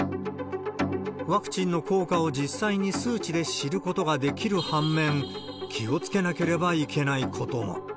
ワクチンの効果を実際に数値で知ることができる半面、気をつけなければいけないことも。